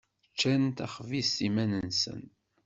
Ččan taxbizt iman-nsen.